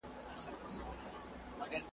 هغه څوک چي د کتابتون د کار مرسته کوي منظم وي؟